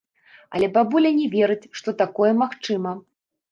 Але бабуля не верыць, што такое магчыма.